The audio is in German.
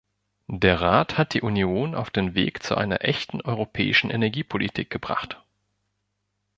Der Rat hat die Union auf den Weg zu einer echten europäischen Energiepolitik gebracht.